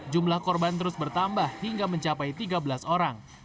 jumlah korban terus bertambah hingga mencapai tiga belas orang